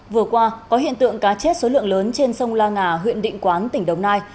vừa qua có hiện tượng cá chết số lượng lớn trên sông la nga huyện định quán tỉnh đồng nai